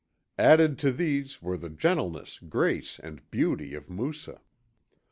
Added to these were the gentleness, grace, and beauty of Moussa.